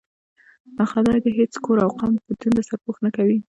خدا دې هېڅ کور او قوم بدون له سرپوښه نه کوي.